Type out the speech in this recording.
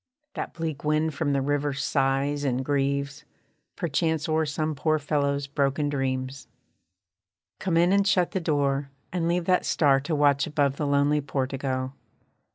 That bleak wind from the river sighs and grieves, Perchance o'er some poor fellow's broken dreams. Come in, and shut the door, and leave that star To watch above the lonely portico.